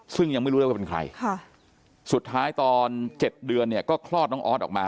ซึ่งยังไม่รู้เลยว่าเป็นใครสุดท้ายตอน๗เดือนเนี่ยก็คลอดน้องออสออกมา